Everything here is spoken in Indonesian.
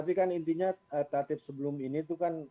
tapi kan intinya tatip sebelum ini itu kan